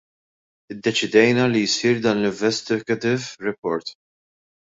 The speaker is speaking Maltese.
Iddeċidejna li jsir dan l-investigative report.